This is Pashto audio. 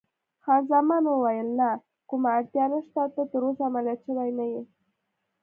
خان زمان وویل: نه، کومه اړتیا نشته، ته تراوسه عملیات شوی نه یې.